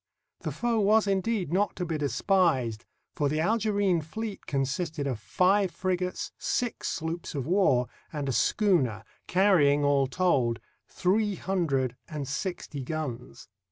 The foe was indeed not to be despised, for the Algerine fleet consisted of five frigates, six sloops of war, and a schooner, carr3dng, all told, three hundred and sixty guns.